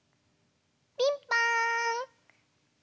ピンポーン！